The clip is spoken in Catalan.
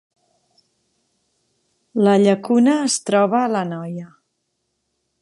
La Llacuna es troba a l’Anoia